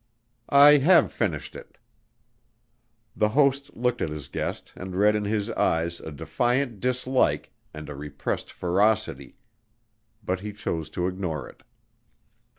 "I have finished it." The host looked at his guest and read in his eyes a defiant dislike and a repressed ferocity, but he chose to ignore it.